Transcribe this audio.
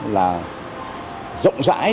là rộng rãi